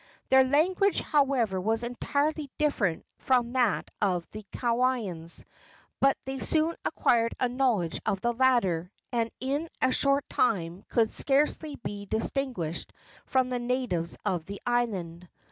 Their language, however, was entirely different from that of the Kauaians; but they soon acquired a knowledge of the latter, and in a short time could scarcely be distinguished from the natives of the island.